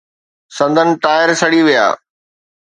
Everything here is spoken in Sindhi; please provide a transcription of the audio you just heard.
سندن ٽائر سڙي ويا.